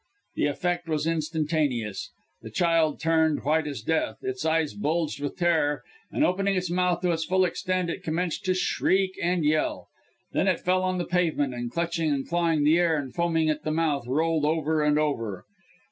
The effect was instantaneous. The child turned white as death, its eyes bulged with terror, and opening its mouth to its full extent it commenced to shriek and yell. Then it fell on the pavement; and clutching and clawing the air, and foaming at the mouth rolled over and over.